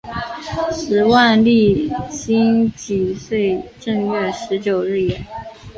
时万历辛己岁正月十九日也。